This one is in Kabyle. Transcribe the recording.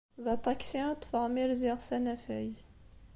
D aṭaksi i ṭṭfeɣ mi rziɣ s anafag.